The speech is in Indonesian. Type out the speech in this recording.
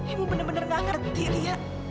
ibu benar benar gak ngerti ria